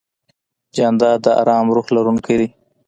جانداد د ارام روح لرونکی دی.